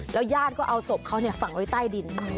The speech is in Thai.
แล้วย่านก็เอาศพเขาฝังไว้ใต้ดิน